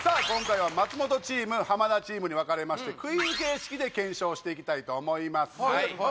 今回は松本チーム浜田チームに分かれましてクイズ形式で検証していきたいと思います